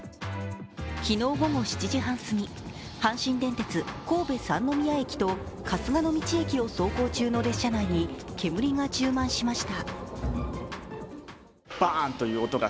昨日午後７時半すぎ阪神電鉄・神戸三宮駅と春日野道駅を走行中の列車内に煙が充満しました。